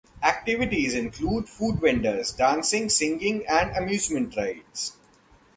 Activities include food vendors, dancing, singing, and amusement rides.